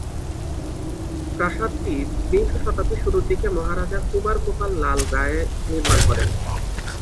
প্রাসাদটি বিংশ শতাব্দীর শুরুর দিকে মহারাজা কুমার গোপাল লাল রায় নির্মাণ করেন।